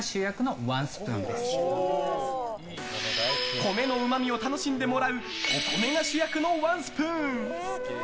米のうまみを楽しんでもらうお米が主役のワンスプーン。